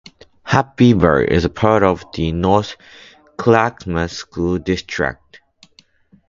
Happy Valley is part of the North Clackamas School District.